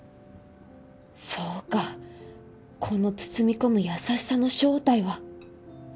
そうかこの包み込む優しさの正体は。